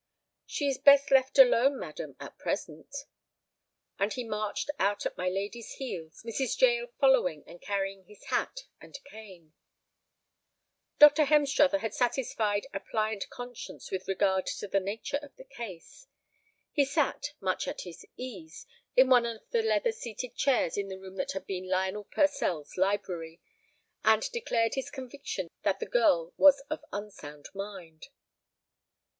"She is best left alone, madam, at present." And he marched out at my lady's heels, Mrs. Jael following and carrying his hat and cane. Dr. Hemstruther had satisfied a pliant conscience with regard to the nature of the case. He sat—much at his ease—in one of the leather seated chairs in the room that had been Lionel Purcell's library, and declared his conviction that the girl was of unsound mind.